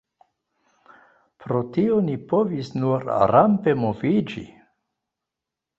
Pro tio ni povis nur rampe moviĝi.